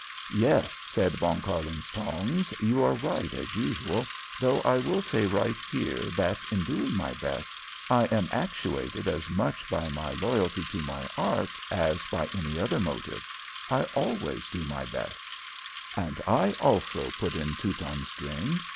"Yes," said Von Kärlingtongs, "you are right, as usual, though I will say right here that, in doing my best, I am actuated as much by my loyalty to my art as by any other motive. I always do my best." "And I also," put in Teutonstring.